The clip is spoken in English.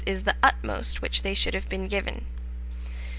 is the utmost which should have been given.